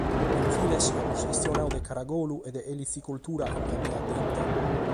In fines amus chistionadu de caragolu e de elicicoltura cun Andrea Denti.